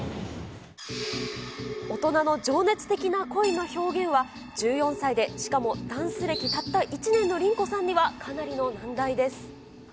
大人の情熱的な恋の表現は、１４歳でしかもダンス歴たった１年のリンコさんにはかなりの問題です。